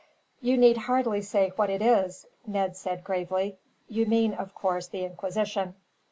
"You need hardly say what it is," Ned said, gravely. "You mean, of course, the Inquisition."